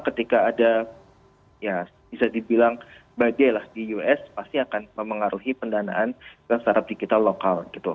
ketika ada ya bisa dibilang badai lah di us pasti akan memengaruhi pendanaan startup digital lokal gitu